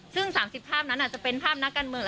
ซึ่ง๓๐ภาพนั้นอาจจะเป็นภาพนักการเมือง